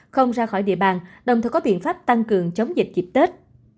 không ra khỏi địa bàn đồng thời có biện pháp tăng cường chống dịch dịp tết